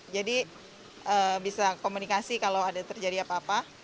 jadi bisa komunikasi kalau ada terjadi apa apa